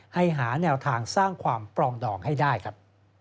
หาแนวทางสร้างความปรองดองให้ได้ครับ